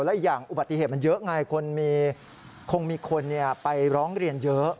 และอีกอย่างอุบัติเหตุมันเยอะไงคงมีคนไปร้องเรียนเยอะ